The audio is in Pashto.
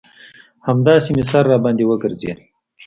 همداسې مې سر راباندې وگرځېد.